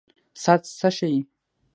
ساعت څه ښيي؟